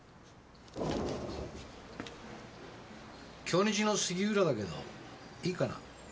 京日の杉浦だけどいいかな？